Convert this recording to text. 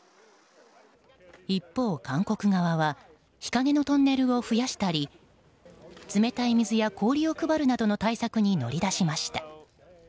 一方、韓国側は日陰のトンネルを増やしたり冷たい水や氷を配るなどの対策に乗り出しました。